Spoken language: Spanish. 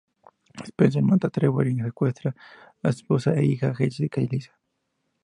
Spencer mata a Trevor y secuestra a su esposa e hija, Jessica y Lisa.